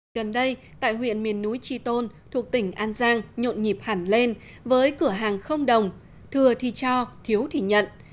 gần đây tại huyện miền núi tri tôn thuộc tỉnh an giang nhộn nhịp hẳn lên với cửa hàng không đồng thừa thì cho thiếu thì nhận